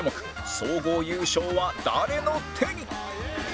総合優勝は誰の手に！？